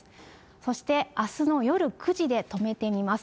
そしてあすの夜９時で止めてみます。